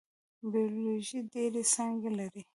بیولوژي ډیرې څانګې لري